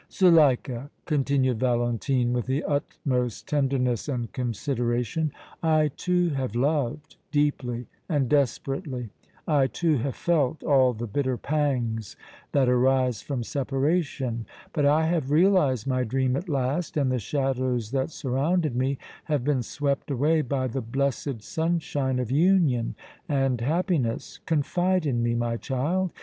"Zuleika," continued Valentine, with the utmost tenderness and consideration, "I, too, have loved, deeply and desperately; I, too, have felt all the bitter pangs that arise from separation; but I have realized my dream at last, and the shadows that surrounded me have been swept away by the blessed sunshine of union and happiness. Confide in me, my child.